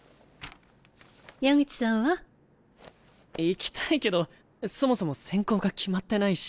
矢口さんは？行きたいけどそもそも専攻が決まってないし。